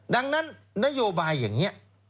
ดังนั้นนโยบายอย่างนี้